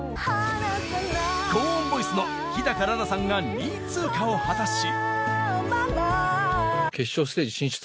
高音ボイスの樋楽々さんが２位通過を果たし。